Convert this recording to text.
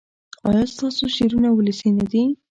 ایا ستاسو شعرونه ولسي نه دي؟